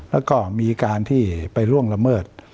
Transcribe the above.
แล้วก็มีการที่ไปล่วงละเมิด